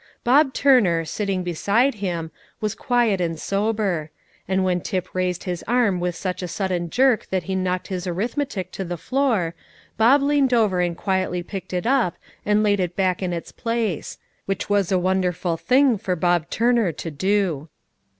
Bob Turner, sitting beside him, was quiet and sober; and when Tip raised his arm with such a sudden jerk that he knocked his arithmetic to the floor, Bob leaned over and quietly picked it up and laid it back in its place; which was a wonderful thing for Bob Turner to do.